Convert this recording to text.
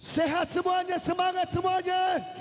sehat semuanya semangat semuanya